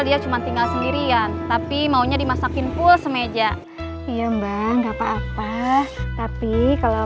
dia cuma tinggal sendirian tapi maunya dimasakin pul semeja iya mbak enggak apa apa tapi kalau